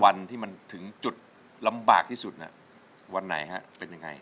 วันที่มันถึงจุดลำบากที่สุดวันไหนฮะเป็นยังไง